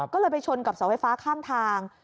ก็เลยไปชนกับเสาไฟฟ้าข้างทาง